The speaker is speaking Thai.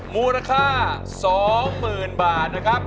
มูลค่า๒หมื่นบาทนะครับ